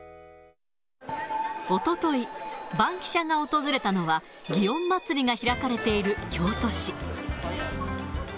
おととい、バンキシャが訪れたのは、祇園祭が開かれていた京都市。